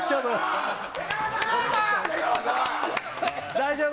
大丈夫？